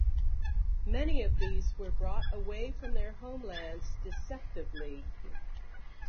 Many of these were brought away from their homelands deceptively.